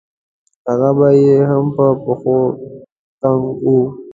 هغه به يې هم په پښو تنګ وو.